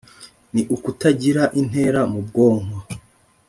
ni ukutagira intera mu bwonko